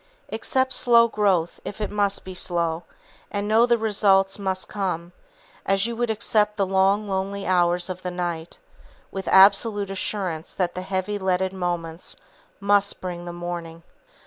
Accept slow growth if it must be slow, and know the results must come, as you would accept the long, lonely hours of the night, with absolute assurance that the heavy leaded moments must bring the morning.